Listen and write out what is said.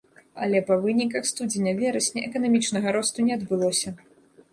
Але па выніках студзеня-верасня эканамічнага росту не адбылося.